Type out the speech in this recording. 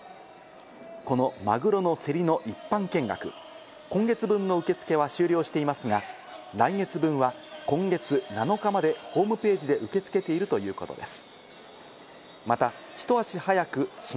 このマグロの競りの一般見学、今月分の受付は終了していますが、来月分は今月７日までホームページで受付ているということです。